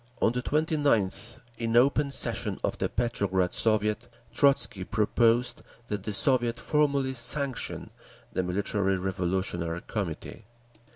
On the 29th, in open session of the Petrograd Soviet, Trotzky proposed that the Soviet formally sanction the Military Revolutionary Committee.